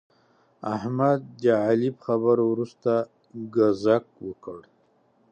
احمد د علي په خبرو ورسته ګذک وکړ.